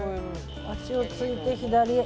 足をついて、左へ。